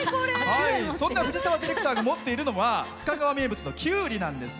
そんな藤澤ディレクターが持っているのは須賀川名物のきゅうりなんです。